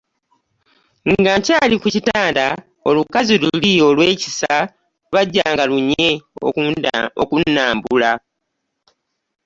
Nga nkyali ku kitanda, olukazi luli olw'ekisa, lwajjanga lunye okunnambula.